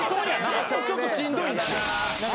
ちょっとしんどいんですよ。